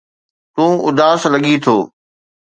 تون اداس لڳين ٿو